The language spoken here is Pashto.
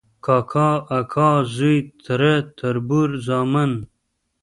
کاکا، اکا زوی ، تره، تربور، زامن ،